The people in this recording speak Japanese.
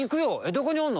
どこにおんの？